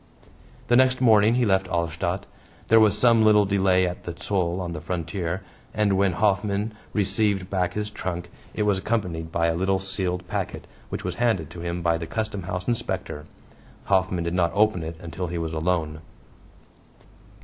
The next morning he left Alstadt. There was some little delay at the Zoll on the frontier, and when Hoffman received back his trunk it was accompanied by a little sealed packet which was handed to him by the Customhouse Inspector. Hoffman did not open it until he was alone.